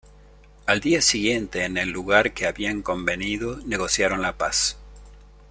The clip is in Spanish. Al día siguiente en el lugar que habían convenido negociaron la paz.